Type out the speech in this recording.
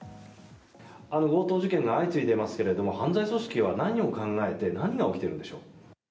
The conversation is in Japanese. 強盗事件が相次いでいますけれども犯罪組織は何を考えて何が起きているんでしょう。